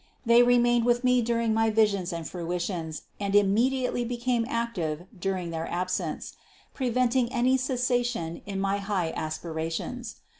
They remained with me during my visions and fruitions and immediately became active during their absence, preventing any cessation in my high aspirations.